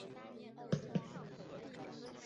妻子是担任经理职务的佐藤悦子。